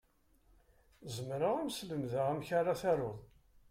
Zemreɣ ad m-slemdeɣ amek ara taruḍ.